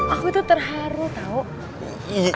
aku tuh terheru tau